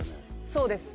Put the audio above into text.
そうです。